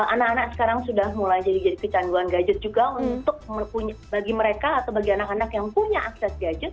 anak anak sekarang sudah mulai jadi kecanduan gadget juga untuk bagi mereka atau bagi anak anak yang punya akses gadget